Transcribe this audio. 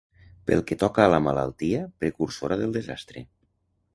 Pel que toca a la malaltia precursora del desastre